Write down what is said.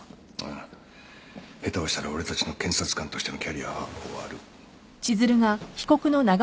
下手をしたら俺たちの検察官としてのキャリアは終わる。